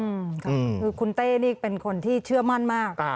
คือคุณเต้นี่เป็นคนที่เชื่อมั่นมาก